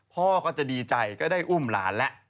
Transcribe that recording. พ่อก็จะดีใจก็ได้อุ้มหลานแล้ว